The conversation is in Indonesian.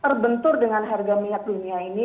terbentur dengan harga minyak dunia ini